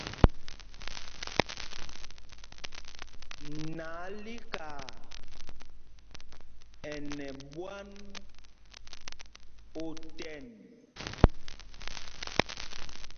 Nalíkaa ɛ nɛ ɓwán otɛn.